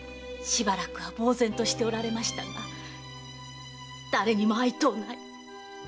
しばらくは茫然としておられましたが「誰にも会いとうない。